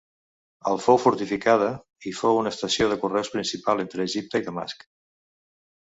El fou fortificada i fou una estació de correus principal entre Egipte i Damasc.